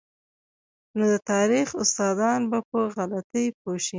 نو د تاریخ استادان به په غلطۍ پوه شي.